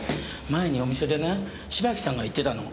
前にお店でね芝木さんが言ってたの。